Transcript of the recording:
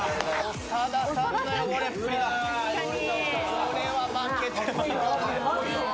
これは負けて。